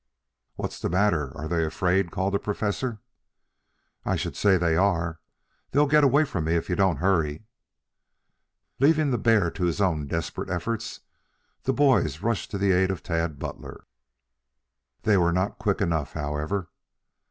"What's the matter are they afraid?" called the Professor. "I should say they are. They'll get away from me if you don't hurry." Leaving the hear to his own desperate efforts, the boys rushed to the aid of Tad Butler. They were not quick enough, however.